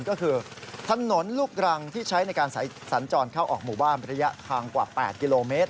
ก็คือถนนลูกรังที่ใช้ในการสัญจรเข้าออกหมู่บ้านระยะทางกว่า๘กิโลเมตร